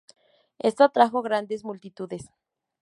Esto atrajo grandes multitudes.